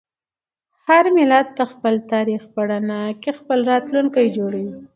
هر ملت د خپل تاریخ په رڼا کې خپل راتلونکی جوړوي.